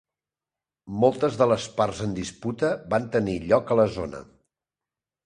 Moltes de les parts en disputa van tenir lloc a la zona.